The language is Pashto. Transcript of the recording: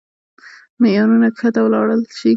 معيارونه کښته ولاړ شي.